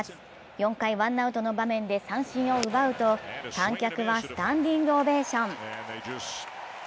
４回ワンアウトの場面で三振を奪うと、観客はスタンディングオベーション。